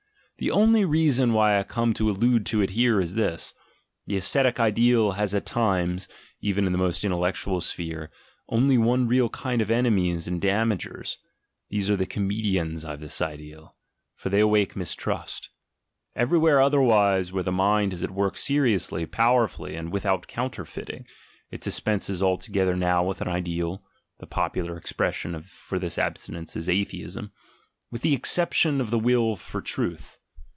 The only reason why I come to allude to it here is this: the ascetic ideal has at times, even in the most intellectual sphere, only one real kind of enemies and damagers: these are the comedians of this ideal — for they awake mistrust, •y where otherwise, where the mind is at work seri ously, powerfully, and without counterfeiting, it dispenses altogether now with an ideal (the popular expression for this abstinence is "Atheism") — with the exception of the will jar truth.